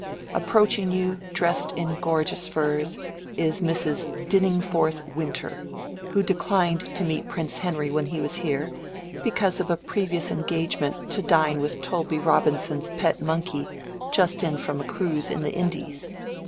Approaching you, dressed in gorgeous furs, is Mrs. Dinningforth Winter, who declined to meet Prince Henry when he was here, because of a previous engagement to dine with Tolby Robinson's pet monkey just in from a cruise in the Indies.